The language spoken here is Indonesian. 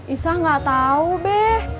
isah ga tau beh